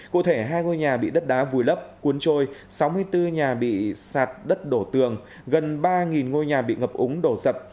cụ thể hai ngôi nhà bị đất đá vùi lấp cuốn trôi sáu mươi bốn nhà bị sạt đất đổ tường gần ba ngôi nhà bị ngập úng đổ sập